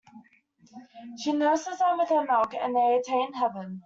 She nurses them with her milk and they attain heaven.